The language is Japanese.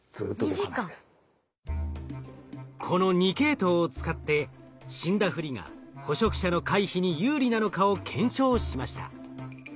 この２系統を使って死んだふりが捕食者の回避に有利なのかを検証しました。